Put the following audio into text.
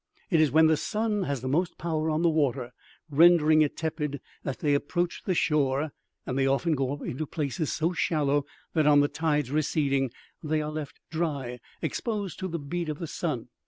It is when the sun has the most power on the water, rendering it tepid, that they approach the shore; and they often go up into places so shallow that, on the tide's receding, they are left dry, exposed to the beat of the sun.